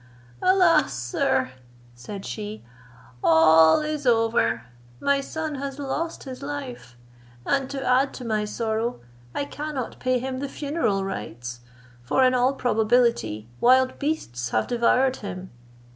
"Alas! sir," said she, "all is over, my son has lost his life, and to add to my sorrow, I cannot pay him the funeral rites; for, in all probability, wild beasts have devoured him."